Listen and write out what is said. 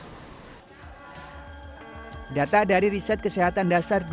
dan yang tentang obatnya itu yang dikonsumsinya dalam rutin setiap hari gitu